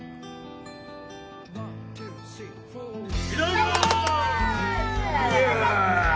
いただきます！